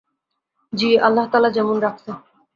জ্বি, আল্লাহ তালা যেমুন রাখছে।